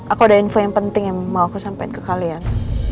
aku ada info yang penting yang mau aku sampein ke kalian